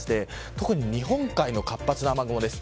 特に日本海の活発な雨雲です。